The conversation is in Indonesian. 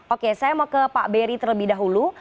oke saya mau ke pak berry terlebih dahulu